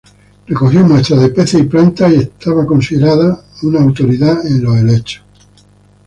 Recogió muestras de peces y plantas y era considerado una autoridad en helechos.